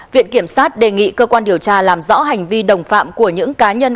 viện kiểm sát đề nghị cơ quan điều tra làm rõ hành vi đồng phạm của những cá nhân